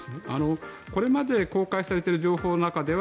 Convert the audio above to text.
これまで公開されている情報の中では